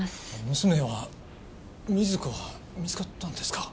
娘は瑞子は見つかったんですか？